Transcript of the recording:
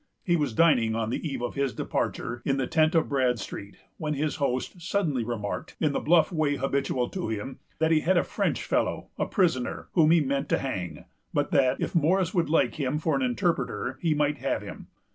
He was dining, on the eve of his departure, in the tent of Bradstreet, when his host suddenly remarked, in the bluff way habitual to him, that he had a French fellow, a prisoner, whom he meant to hang; but that, if Morris would like him for an interpreter, he might have him.